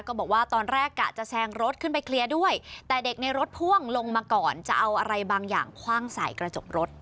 บอกว่าตอนแรกกะจะแซงรถขึ้นไปเคลียร์ด้วยแต่เด็กในรถพ่วงลงมาก่อนจะเอาอะไรบางอย่างคว่างใส่กระจกรถ